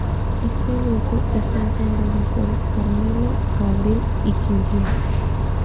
Este grupo está integrado por Carmelo, Gabriel y Quintín.